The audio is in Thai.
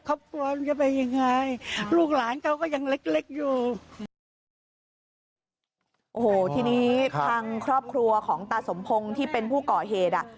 โอ้โหทีนี้ทางครอบครัวของตาสมพงศ์ที่เป็นผู้ก่อเหตุอ่ะ